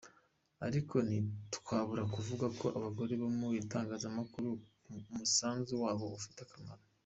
Ariko ntitwabura kuvuga ko abagore bari mu itangazamakuru umusanzu wabo ufite akamaro.